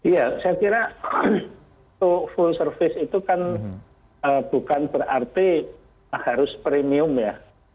ya saya kira untuk full service itu kan bukan berarti harus premium ya